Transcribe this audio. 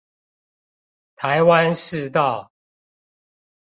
臺灣市道